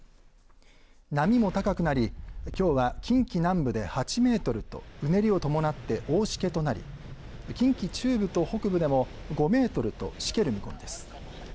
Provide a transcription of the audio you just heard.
波も高くなりきょうは近畿南部で８メートルとうねりを伴って大しけとなり近畿中部と北部でも５メートルとしける見込みです。